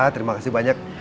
terima kasih banyak